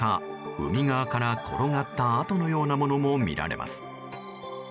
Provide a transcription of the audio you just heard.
海側から転がった跡のようなものも見られます。